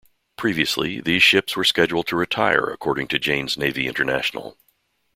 Previously, these ships were scheduled to retire according to Jane's Navy International.